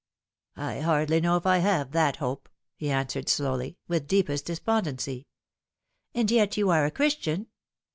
" I hardly know if I have that hope," he answered slowly, with deepest despondency. " And yet you are a Christian."